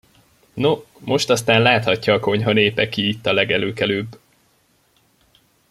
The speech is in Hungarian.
No, most aztán láthatja a konyha népe, ki itt a legelőkelőbb!